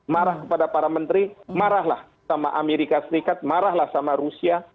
marah kepada para menteri marahlah sama amerika serikat marahlah sama rusia